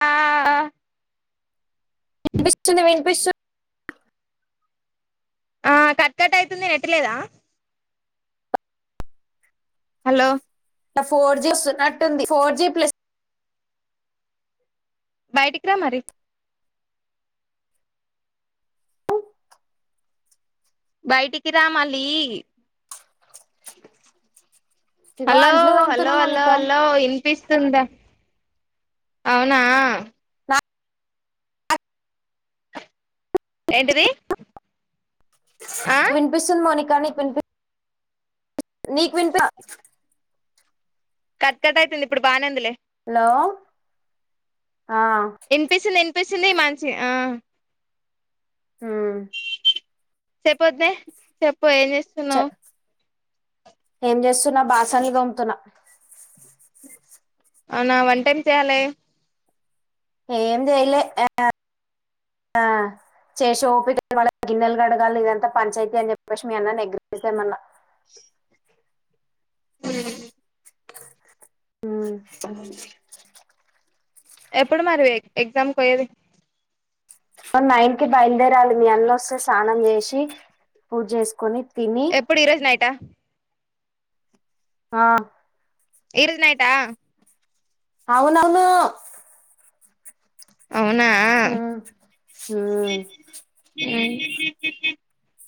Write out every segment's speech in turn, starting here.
ఆ వినిపిస్తుంది వినిపిస్తుంది ఆ కట్ కట్ అయితుంది నెట్టులేదా హలో నా ఫోర్ జీ వస్తున్నట్టుంది ఫోర్ జి ప్లస్ బయటికిరా మరి బయిటికి రా మళ్ళి ఇగో హలో అంట్లు హలో తోముతున్నా హలో మోనిక హలో ఇన్ పీస్ త్తుందా అవునా నాకు ఏంటిది ఆ వినిపిస్తుంది మౌనికా నీక్ విని నీకు విన్ పిస్ కట్ కట్ అయితుంది ఇప్పుడు బాగానే ఉందిలే హలో ఆ స్పెషల్లీ మంచి ఆ ఆ సెప్పొద్దే సెప్పు ఏం జేస్తున్నావ్ చె- ఏం జెస్తున్నా బాసన్లు దోముతున్నా అవునా వుంటేం చేయాలె ఏం జెయిలే ఆ చేషే ఓపిక [inaudible] ఇవాల గిన్నెలు గడగాలి ఇదంతా పంచాయతీ అని జెప్పేసి మీ అన్న ని ఎగ్ రైస్ దెమ్మన్న అ ఆ సరే లె ఎప్పుడు మరి ఎగ్జామ్కి పోయ్యేది ఫ నైన్ కి బయలుదేరాలి మీ అన్నొస్తే స్నానం జేసి పూజ్ జేసుకొని ఎప్పుడు ఈ రోజు నైటా ఆ ఇరు నైటా అవునవును అవునా హ మ్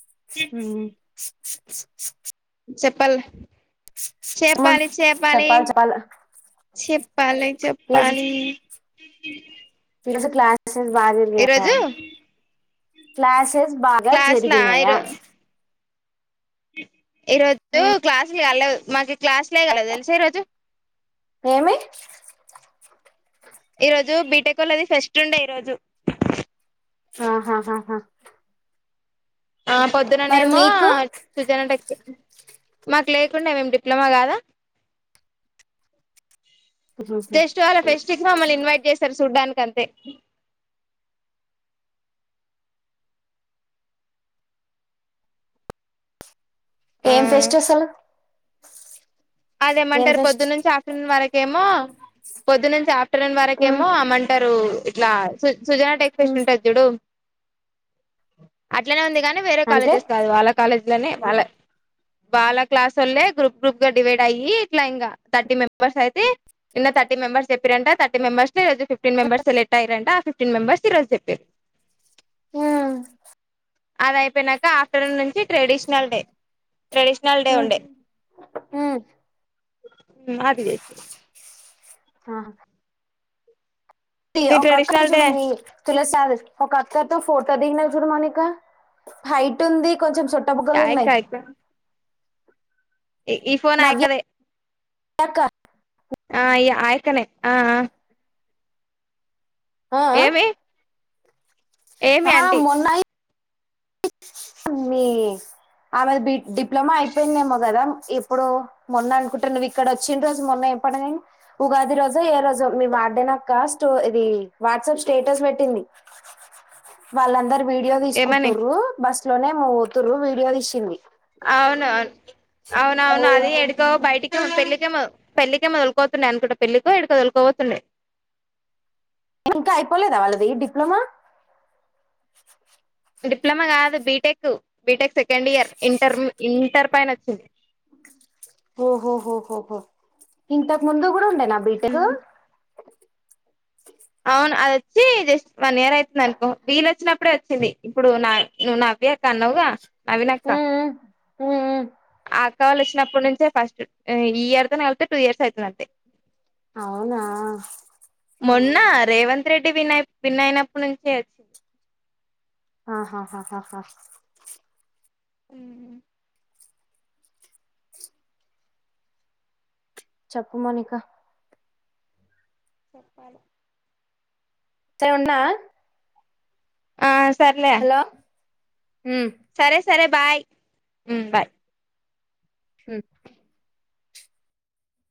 ఉమ్ చెప్పాల్నె చేపాలి చేపాలి చెప్పాలి చెప్పాల చెప్పాలే చెప్పాలి ఈ రోజు క్లాసస్ బాగ ఈ జరిగినయా రోజు క్లాసెస్ బాగా క్లాస్ లా జరిగినయా ఈరో ఈ రోజు క్లాసులు కలదు మాకి క్లాసులే కాలేదు తెలుసా ఈ రోజు ఏమి ఈ రోజు బీటెక్ వాళ్ళది ఫెస్ట్ ఉండే ఈరోోజు ఆహ హ హ ఆ పొద్దుననేేమో మీకు సుజనటకి మాకు లేకుండ మేక డిప్లొమా కాదా జస్ట్ వాళ్ళ ఫెస్ట్ కి మమ్మల్ని ఇన్వైట్ చేశారు చూడ్డానికి ఇకంతే ఆ ఏం ఫెస్ట్ అసలు ఏం అదేమంటారు ఫెస్ట్ పొద్దునుంచి ఆఫ్టర్నూన్ వరకేమో పొద్దునుంచి ఆఫ ఫ్టర్ పన్ వరకేమో ఆ మంటరు ఇట్ల సుజనా టెక్స్ ఫ్రెస్ట్ ఉంటది చుడు అట్లనే ఉంది కానీ వేరే అంటే కాలేజెస్ కాదు వాళ్ళ కాలేజ లోనె వాళ్ల క్లాస్ వాళ్యె గ్రూప్ గ్రూప్ గ డివైడ్ అయ్యి ఇట్ల ఇంకా థర్టీ మెంబెర్స్ అయితే నిన్న థర్టీ మెంబర్స్ చెప్పిరంట థర్టీ మెంబర్స్ ని రోజ్ ఫిఫ్టీన్ మెంబర్ సెలెక్ట్ అయిరంట ఆ ఫిఫ్టీన్ మెంబర్స్ ఈరోజు చెప్పారు ఆ అదయిపోయినక ఆఫ్టర్నూన్ నుంచి ట్రెడిషనల్ డే ట్రెడీష్నల్ డే ఉండే నాది త మీ ఒక అక్కతో ట్రెడిషనల్ డే చూడు మి తులసారి ఒక అక్కతో ఫోటో దిగినం చూడుమనమిద్దరం హైట్ ఉంది కొంచం సొట్టబుగ్గలు ఆయక్క ఉన్నాయి ఇ ఈ ఫోన్ అయక్క దే ఏ అక్క ఆ ఈయ్య ఆయక్కనే అ అ ఏమి ఏమి హా అంటీ మొన్నయి అ మ్మీ ఆమెది బి డిప్లమా అయిపోయిందేమో కదా ఎప్పుడు మొన్న అనుకుంట నువ్వు ఇక్కడ వచ్చిన రోజు మొన్న చెప్పడ ఉగాది రోజో ఏ రోజో మీ వార్డెనక్క స్టో ఇది వాట్సాప్ స్టేటస్ పెట్టింది వాళ్ళందరు వీడియో తీసుకుంటు ఏమని బస్ లోనే మూవ్ అవ్తురు వీడియో తీసింది అవునవున్ అవున అవును అది ఎడికో బయటికి పెళ్ళకే మొ పెళ్ళికేమొ తోలుకోతుండ అనుకుంట పెళ్ళికో ఏడికొలుకో పోతుండె ఇంక అయిపోలేద వాళ్ళది డిప్లమా డిప్లమా కాదు BTech BTech second year inter inter పైన వచ్చింది ఓహోహోహోహో ఇంతకు ముందు కూడ ఉండే నా బీటక్ అవును అది వచ్చి జస్ట్ వన్ ఇయర్ అయితుంది అనుకో వీల వచ్చినప్పుడే వచ్చింది ఇప్పుడు నా నువు నాకు ఏ కానువుగా నవీన్ అక్క ఉమ్ ఉమ్ ఆక్కవాళ్ళు వచ్చినప్పడు నుంచే ఫస్ట్ ఈ ఇయర్ తోని కలిపితే టూ ఇయర్స్ అవుతది అంతే అవునా మొన్న రేవంత్ రెడ్డి విన్ విన్నయినప్పటి నుంచే వచ్చింది ఆహాహాహా ఉమ్ చెప్పు మోనికా చెప్పాలె సరె ఉండన్నా ఆ సర్లె ఉమ్ సరే బాయ్ ఉమ్